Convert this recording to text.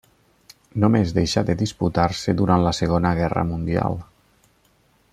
Només deixà de disputar-se durant la Segona Guerra Mundial.